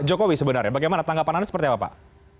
jokowi sebenarnya bagaimana tanggapan anda seperti apa pak